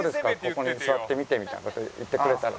ここに座ってみて」みたいな事言ってくれたら。